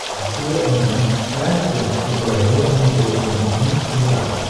Nacido en París, Francia, su verdadero nombre era Jean Le Gall.